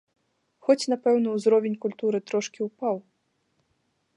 Хоць, напэўна, ўзровень культуры трошкі ўпаў.